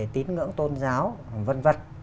về tín ngưỡng tôn giáo vân vật